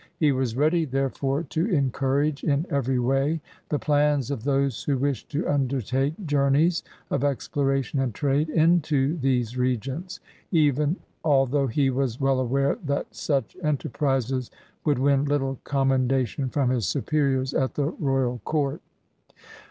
He was ready, there fore, to encourage in every way the plans of those who wished to undertake journeys of exploration and trade into these regions, even although he was well aware that such enterprises would win little commendation from his superiors at the royal court.